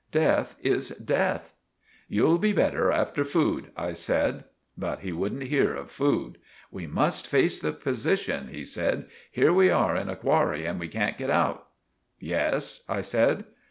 Deth is deth." "You'll be better after food," I said. But he wouldn't hear of food. "We must face the possishun," he said. "Here we are in a qwarry and we can't get out." "Yes," I said.